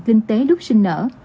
kinh tế lúc sinh nở